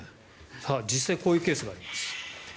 実際こういうケースがあります。